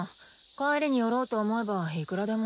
帰りに寄ろうと思えばいくらでも。